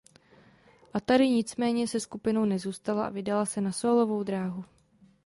Atari nicméně se skupinou nezůstala a vydala se na sólovou dráhu.